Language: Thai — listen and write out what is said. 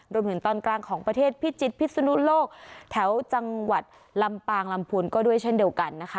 รวมถึงตอนกลางของประเทศพิจิตรพิศนุโลกแถวจังหวัดลำปางลำพูนก็ด้วยเช่นเดียวกันนะคะ